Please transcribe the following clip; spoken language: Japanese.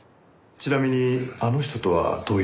ちなみにあの人とはどういう？